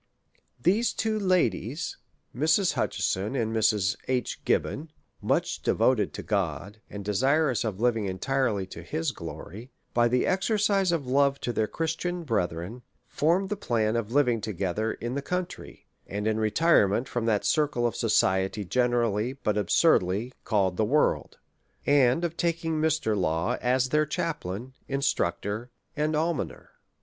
These two ladies, Mrs. Hutcheson and Mrs. H. Gib bon, much devoted to God, and desirous of living en tirely to his glory, by the exercise of love to their Christian brethren, formed the plan of living together in the country, and in retirement from that circle of society generally, but absurdly, called the world ; and of taking TMr. Law as their chaplain, instructor, and almoner.